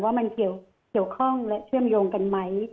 ว่ามันเกี่ยวข้องและเชื่อมโยงกันไหม